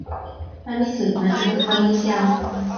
Mae mislif yn medru bod yn boenus iawn.